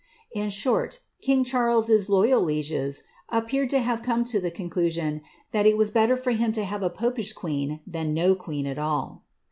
In short, king Charleses loyal lieges appeared to have come to the conclusion, that it was better for him to have a popish queen, than no queen at all.